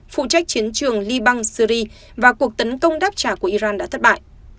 phụ trách chiến trường liban syri và cuộc tấn công đáp trả của iran đã thất bại